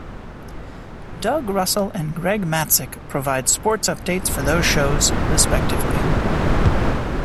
Doug Russell and Greg Matzek provide sports updates for those shows, respectively.